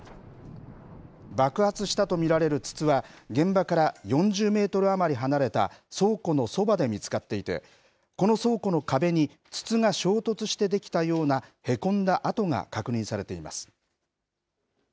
爆発したと見られる筒は、現場から４０メートル余り離れた倉庫のそばで見つかっていて、この倉庫の壁に筒が衝突して出来たようなへこんだ跡が確認されています。